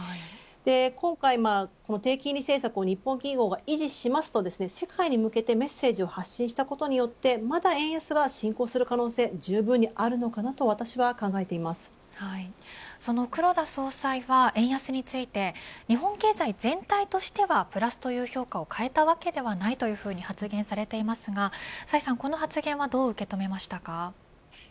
今回、低金利政策を日本企業が維持すると世界に向けてメッセージを発信したことによってまだ円安が進行する可能性がじゅうぶんにあるとその黒田総裁は円安について日本経済全体としてはプラスという評価を変えたわけではないと発言されていますが崔さん、この発言はどう受け留めましたか。